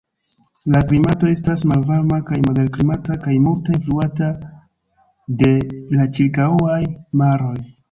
La klimato estas malvarma kaj moderklimata kaj multe influita de la ĉirkaŭaj maroj.